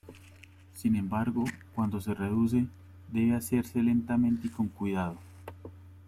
Sin embargo, cuando se reduce, debe hacerse lentamente y con cuidado.